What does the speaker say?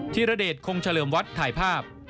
ธิรเดชคงเฉลิมวัดถ่ายภาพ